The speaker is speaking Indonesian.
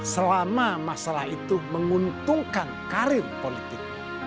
selama masalah itu menguntungkan karir politik